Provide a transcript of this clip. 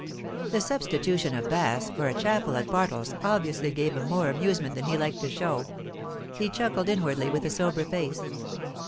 The substitution of baths for a chapel at Bartles obviously gave him more amusement than he liked to show; he chuckled inwardly, with a sober face.